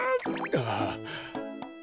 ああ。